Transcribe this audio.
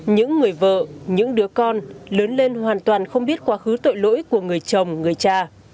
những người vợ những đứa con lớn lên hoàn toàn không biết quá khứ tội lỗi của người chồng người cha